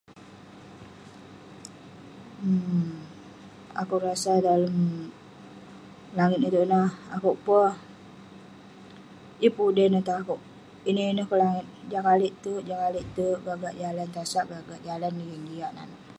um akouk rasa dalem langit itouk ineh, akouk peh- yeng pun udey neh tong akouk. Ineh ineh kek langit. Jah kalik terk, jah kalik terk- belokak jalan tasak, belokak jalan yeng jian nanouk.